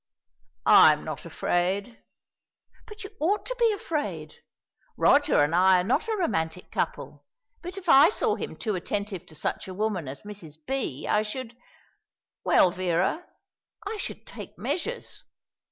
"I am not afraid.". "But you ought to be afraid. Roger and I are not a romantic couple; but if I saw him too attentive to such a woman as Mrs. B. I should well, Vera, I should take measures.